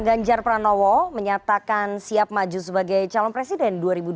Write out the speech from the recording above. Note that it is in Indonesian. ganjar pranowo menyatakan siap maju sebagai calon presiden dua ribu dua puluh